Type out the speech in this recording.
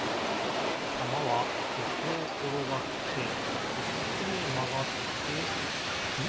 たまはここをころがってこっちへまがってえ？